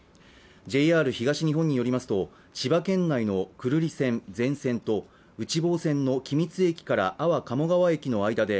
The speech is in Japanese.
ＪＲ東日本によりますと千葉県内の久留里線全線と内房線の君津駅から安房鴨川駅の間で